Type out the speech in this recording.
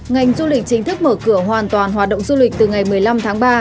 ngành du lịch chính thức mở cửa hoàn toàn hoạt động du lịch từ ngày một mươi năm tháng ba